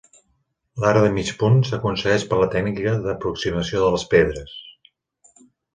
L'arc de mig punt s'aconsegueix per la tècnica d'aproximació de les pedres.